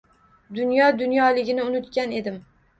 Dunyo dunyoligini unutgan edim.